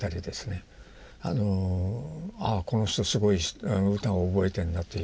ああこの人すごい歌覚えてんだという。